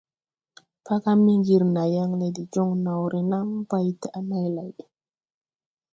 Paga Miŋgiri na yaŋ le de joŋ naw renam bay daʼ này lay.